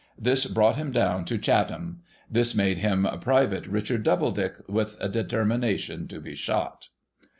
This brought him down to Chatham. This made him Private Richard Doubledick, with a determination to be shot.